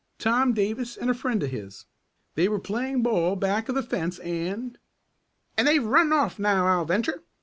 Tom Davis and a friend of his. They were playing ball back of the fence and " "And they've run off now, I'll venture!"